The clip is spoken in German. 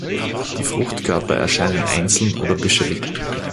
Die Fruchtkörper erscheinen einzeln oder büschelig.